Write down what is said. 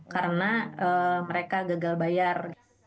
karena mereka gagal bayar